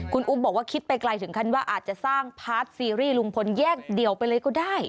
คุณอุ๊บบอกว่าคิดไปไกลถึงขั้นว่าอาจจะสร้างพาร์ทซีรีส์ลุงพลแยกเดี่ยวไปเลยก็ได้